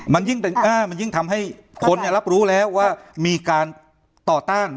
มันยิ่งทำให้คนรับรู้แล้วว่ามีการต่อต้าน